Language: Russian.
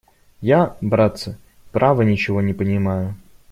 Я, братцы, право, ничего не понимаю!..